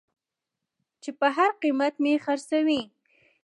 چې په هر قېمت مې خرڅوې.